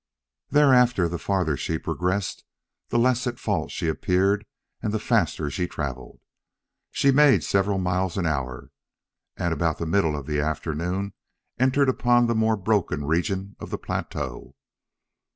Thereafter the farther she progressed the less at fault she appeared and the faster she traveled. She made several miles an hour, and about the middle of the afternoon entered upon the more broken region of the plateau.